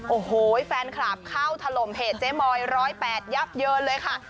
โอ้โหแฟนคลับเข้าถล่มเพจเจ๊มอย๑๐๘ยับเยินเลยค่ะ